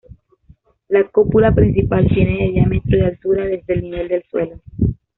La cúpula principal tiene de diámetro y de altura desde el nivel del suelo.